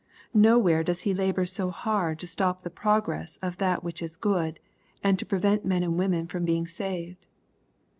Nowhere does he labor so hard to stop the progress of that which is good, and to prevent men and women being saved.